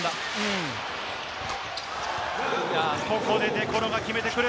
ここでデ・コロが決めてくる。